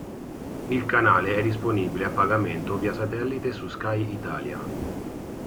Il canale è disponibile a pagamento via satellite su Sky Italia.